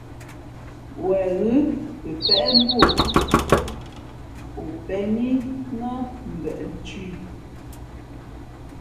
Wen ghʉ̌ pəpéʼ mbú o, o pēn í nά mbeʼ nthʉ̄ ī.